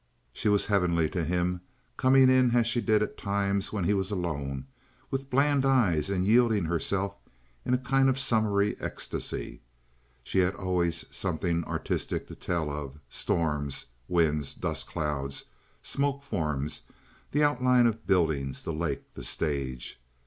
She was heavenly to him, coming in, as she did at times when he was alone, with bland eyes and yielding herself in a kind of summery ecstasy. She had always something artistic to tell of storms, winds, dust, clouds, smoke forms, the outline of buildings, the lake, the stage.